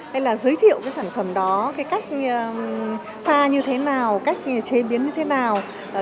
hay là giới thiệu sản phẩm đó cách pha như thế nào cách chế biến như thế nào